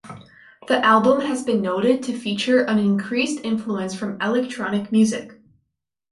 The album has been noted to feature an increased influence from electronic music.